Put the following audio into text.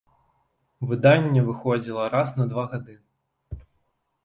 Выданне выходзіла раз на два гады.